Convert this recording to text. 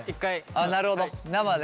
あっなるほど生ね。